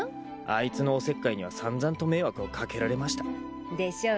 あいつのおせっかいには散々と迷惑を掛けられました。でしょうね。